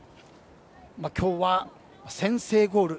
今日は先制ゴール